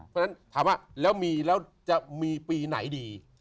เพราะฉะนั้นถามว่าแล้วมีแล้วจะมีปีไหนดี